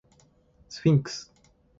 スフィンクス